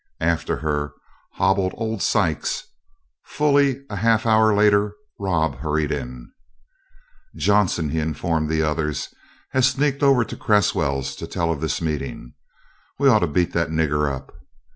After her hobbled old Sykes. Fully a half hour later Rob hurried in. "Johnson," he informed the others, "has sneaked over to Cresswell's to tell of this meeting. We ought to beat that nigger up."